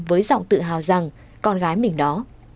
với giọng tự hào rằng con gái mình đó